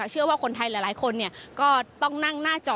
เชื่อว่าคนไทยหลายคนก็ต้องนั่งหน้าจอ